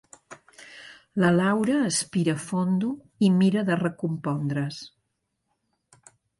La Laura aspira fondo i mira de recompondre's.